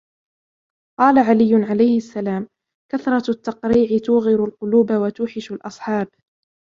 قال علي عليه السلام: کثرة التقریع توغر القلوب و توحش الاصحاب.